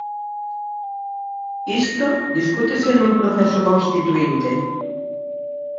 Isto discútese nun Proceso Constituínte.